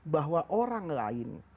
bahwa orang lain